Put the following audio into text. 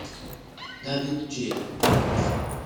David Gill